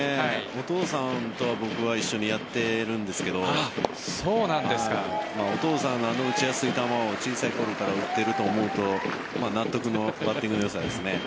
お父さんとは僕は一緒にやっているんですがお父さんのあの打ちやすい球を小さいころから打っていると思うと納得のバッティングのよさですね。